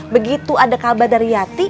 begitu ada kabar dari yati